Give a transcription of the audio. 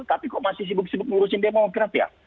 tapi kok masih sibuk sibuk ngurusin demokrat ya